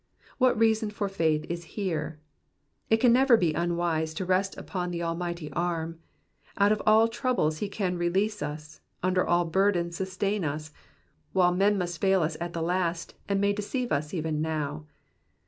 What reason for faith is here ! It can never be unwise to rest upon the almighty arm. Out of all troubles he can release us, under all burdens sustain us, while men must fail us at the last, and may deceive us even now.